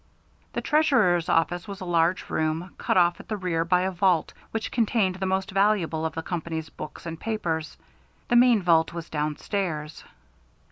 The Treasurer's office was a large room, cut off at the rear by a vault which contained the more valuable of the company's books and papers: the main vault was downstairs.